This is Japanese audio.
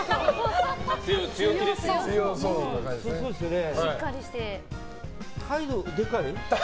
強気ですよね。